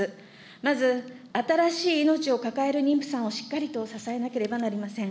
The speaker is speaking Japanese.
まず新しい命を抱える妊婦さんをしっかりと支えなければなりません。